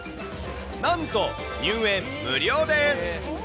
なんと入園無料です。